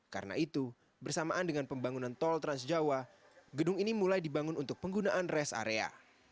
karena itu bersamaan dengan pembangunan tol transjawa gedung ini mulai dibangun untuk penggunaan res area